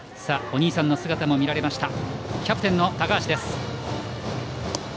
お兄さんの姿も見られましたキャプテンの高橋です。